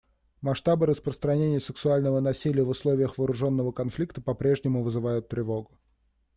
Масштабы распространения сексуального насилия в условиях вооруженного конфликта попрежнему вызывают тревогу.